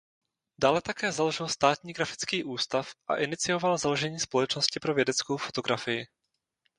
Dále také založil Státní grafický ústav a inicioval založení Společnosti pro vědeckou fotografii.